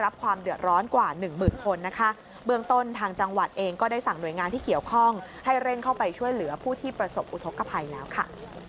เบื้องตนทางจังหวัดเองก็ได้สั่งหน่วยงานที่เกี่ยวข้องให้เร่งเข้าไปช่วยเหลือผู้ที่ประสบอุทธกภัยแล้วค่ะ